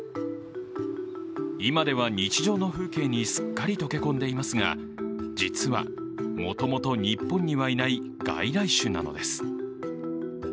今では日常の風景にすっかり溶け込んでいますが、実はもともと日本にはいない外来種なのです。